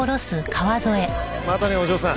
またねお嬢さん。